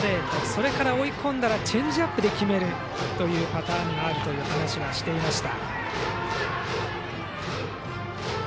それから追い込んだらチェンジアップで決めるというパターンがあるという話はしていました。